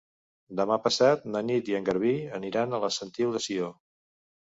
Demà passat na Nit i en Garbí aniran a la Sentiu de Sió.